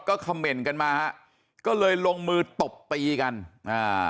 ก็คำเมนต์กันมาฮะก็เลยลงมือตบตีกันอ่า